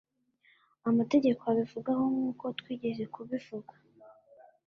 amategeko abivugaho nk uko twigeze kubivuga